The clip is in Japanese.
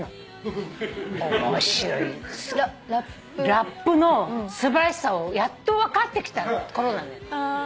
ラップの素晴らしさをやっと分かってきたころなのよ。